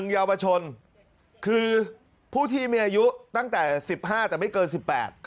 ๑ยาวบชนคือผู้ที่มีอายุตั้งแต่๑๕แต่ไม่เกิน๑๘